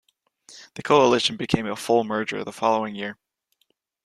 The coalition became a full merger the following year.